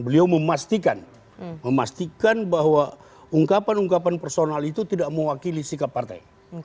beliau memastikan bahwa ungkapan ungkapan personal itu tidak mewakili sikap partai